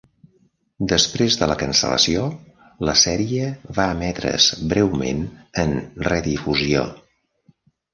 Després de la cancel·lació, la sèrie va emetre's breument en redifusió.